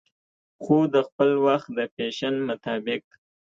خو دخپل وخت د فېشن مطابق